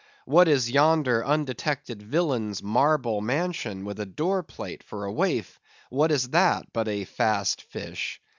What is yonder undetected villain's marble mansion with a door plate for a waif; what is that but a Fast Fish?